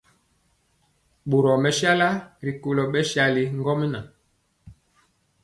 Boro mesala rikolo bɛsali ŋgomnaŋ.